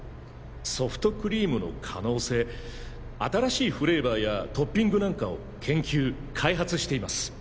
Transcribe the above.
ソフトクリームの可能性新しいフレーバーやトッピングなんかを研究開発しています。